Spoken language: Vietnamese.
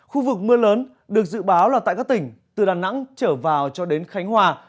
khu vực mưa lớn được dự báo là tại các tỉnh từ đà nẵng trở vào cho đến khánh hòa